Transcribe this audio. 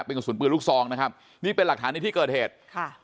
เป็นกระสุนปืนลูกซองนะครับนี่เป็นหลักฐานในที่เกิดเหตุค่ะ